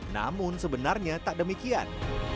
namun sebenarnya tak demikian